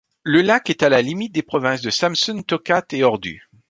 Le lac est à la limite des provinces de Samsun, Tokat et Ordu,